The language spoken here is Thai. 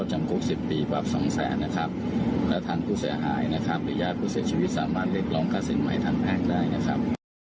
หรือยาผู้เสียชีวิตสามารถเรียกร้องฆ่าศิลป์ใหม่ทางแพร่งได้นะครับ